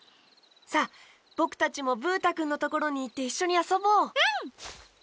さあぼくたちもブー太くんのところにいっていっしょにあそぼう！